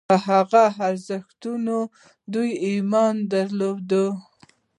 په هغه ارزښتونو دوی ایمان درلود.